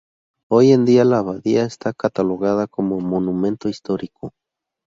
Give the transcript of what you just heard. Hoy en día la abadía está catalogada como Monumento histórico.